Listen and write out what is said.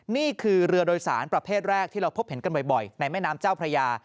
นี่คือเรือโดยสารประเภทแรกที่เราพบเห็นกันบ่อยในแม่น้ำเจ้าพระยา